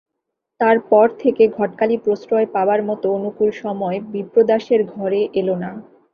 তার পর থেকে ঘটকালি প্রশ্রয় পাবার মতো অনুকূল সময় বিপ্রদাসের ঘরে এল না।